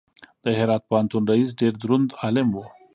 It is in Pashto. د هرات پوهنتون رئیس ډېر دروند عالم و.